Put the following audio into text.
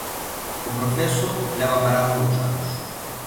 O proceso leva parado dous anos.